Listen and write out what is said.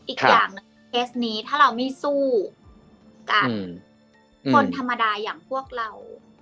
อีกอย่างหนึ่งเคสนี้ถ้าเราไม่สู้กันคนธรรมดาอย่างพวกเรา